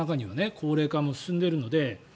高齢化も進んでいるので。